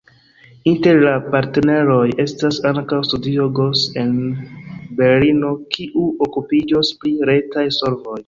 Inter la partneroj estas ankaŭ Studio Gaus el Berlino, kiu okupiĝos pri retaj solvoj.